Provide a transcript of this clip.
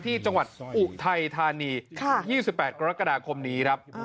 ที่จังหวัดอุทัยธานี๒๘กรกฎาคมนี้ครับ